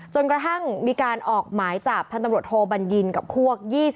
จนกระทั่งมีการออกหมายจับพันตำรวจโทบัญญินกับพวก๒๐